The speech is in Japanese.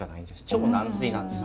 超軟水なんです。